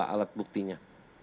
dua alat buktinya